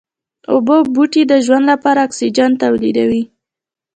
اوبو بوټي د ژوند لپاره اکسيجن توليدوي